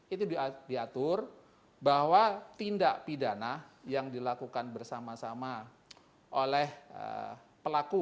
itu diatur bahwa tindak pidana yang dilakukan bersama sama oleh pelaku